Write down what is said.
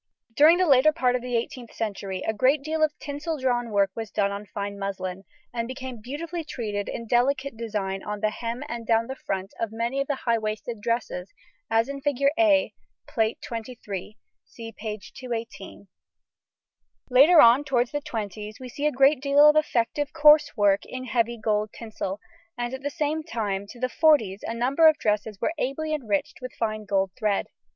During the later part of the 18th century, a great deal of tinsel drawn work was done on fine muslin, and became beautifully treated in delicate design on the hem and down the front of many of the high waisted dresses as in Fig. A, Plate XXIII (see p. 218). Later on towards the twenties we see a great deal of effective coarse work in heavy gold tinsel, and at the same time to the forties a number of dresses were ably enriched with fine gold thread.